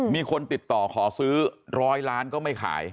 มีคนติดต่อขอซื้อ๑๐๐ล้านก็ไม่ขาย